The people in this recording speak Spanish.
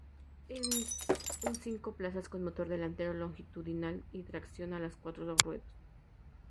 Es un cinco plazas con motor delantero longitudinal y tracción a las cuatro ruedas.